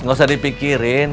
gak usah dipikirin